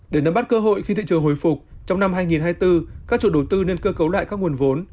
để nắm bắt cơ hội khi thị trường hồi phục trong năm hai nghìn hai mươi bốn các chủ đầu tư nên cơ cấu lại các nguồn vốn